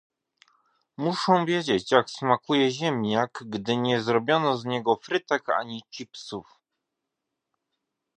Muszą wiedzieć jak smakuje ziemniak, gdy nie zrobiono z niego frytek ani chipsów